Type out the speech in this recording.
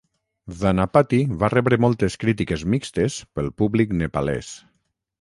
Dhanapati va rebre moltes crítiques mixtes pel públic nepalès.